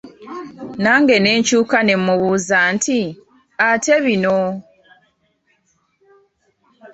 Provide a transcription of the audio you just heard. Nange ne nkyuka ne mmubuuza nti, ate bino?